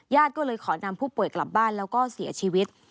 ก็เลยขอนำผู้ป่วยกลับบ้านแล้วก็เสียชีวิต